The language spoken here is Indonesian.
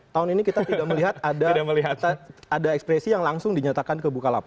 tahun ini kita tidak melihat ada ekspresi yang langsung dinyatakan ke bukalapa